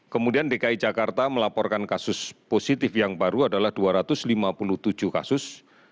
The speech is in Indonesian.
kemudian dki jakarta melaporkan kasus positif yang baru adalah dua ratus lima puluh tujuh kasus